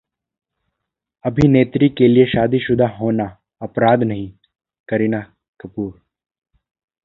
अभिनेत्री के लिए शादीशुदा होना अपराध नहीं: करीना कपूर